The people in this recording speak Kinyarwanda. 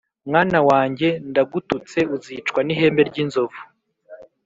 Mwana wanjye ndagututse uzicwa n' ihembe ry' inzovu